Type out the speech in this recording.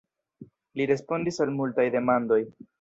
Li respondis al multaj demandoj.